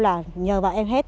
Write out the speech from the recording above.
là nhờ vào em hết